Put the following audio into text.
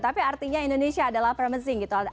tapi artinya indonesia adalah promising gitu